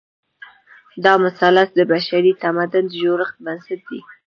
دا مثلث د بشري تمدن د جوړښت بنسټ دی.